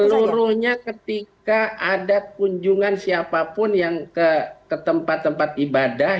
seluruhnya ketika ada kunjungan siapapun yang ke tempat tempat ibadah